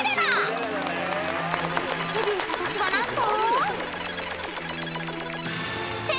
［デビューした年は何と］